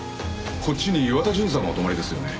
こっちに岩田純さんがお泊まりですよね？